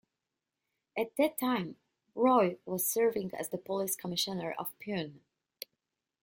At that time, Roy was serving as the Police Commissioner of Pune.